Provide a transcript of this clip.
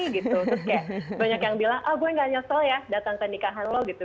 terus kayak banyak yang bilang ah gue gak nyesel ya datang ke nikahan lo gitu